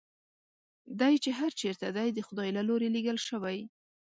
دی چې هر چېرته دی د خدای له لوري لېږل شوی.